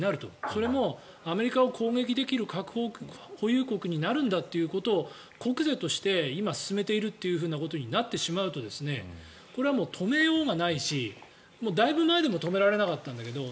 それもアメリカを攻撃できる核保有国になるんだということを国是として今進めているということになってしまうとこれはもう、止めようがないしだいぶ前でも止められなかったんだけど